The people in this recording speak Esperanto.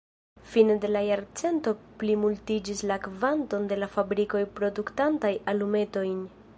Fine de la jarcento plimultiĝis la kvanto de la fabrikoj produktantaj alumetojn.